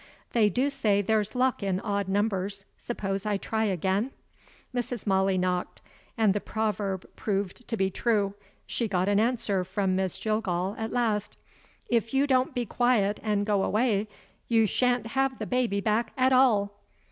They do say there's luck in odd numbers; suppose I try again?" Mrs. Molly knocked, and the proverb proved to be true; she got an answer from Miss Jillgall at last: "If you don't be quiet and go away, you shan't have the baby back at all."